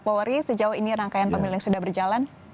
polri sejauh ini rangkaian pemilih sudah berjalan